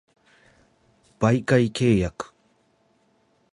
媒介契約